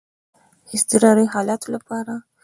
د اضطراري حالاتو لپاره.